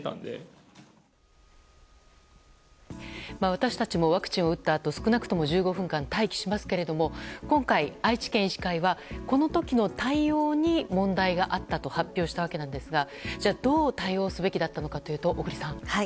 私たちもワクチンを打ったあと少なくとも１５分間待機しますけれども今回、愛知県医師会はこの時の対応に問題があったと発表したわけですがじゃあどう対応すべきだったのかというと、小栗さん。